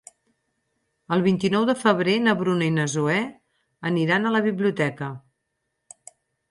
El vint-i-nou de febrer na Bruna i na Zoè aniran a la biblioteca.